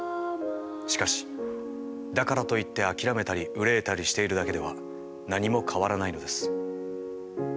しかしだからといって諦めたり憂えたりしているだけでは何も変わらないのです。